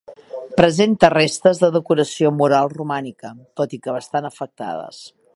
Presenta restes de decoració mural romànica, tot i que bastant afectades.